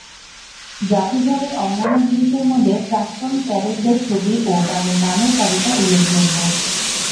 জাদুঘরের অন্যান্য জিনিসের মধ্যে প্রাক্তন ক্যাডেটদের ছবি ও তাদের নামের তালিকা উল্লেখযোগ্য।